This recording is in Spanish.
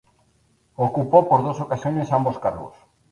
Ocupó por dos ocasiones ambos cargos.